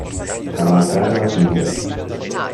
Cavalcare la tigre.